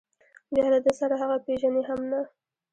بیا له ده سره هغه پېژني هم نه.